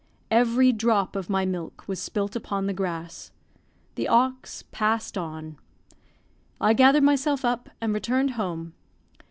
Every drop of my milk was spilt upon the grass. The ox passed on. I gathered myself up and returned home.